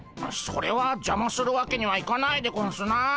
それはじゃまするわけにはいかないでゴンスなあ。